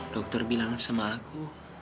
dokter bilang sama aku